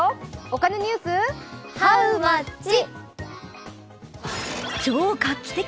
お金ニュース、ハウマッチ！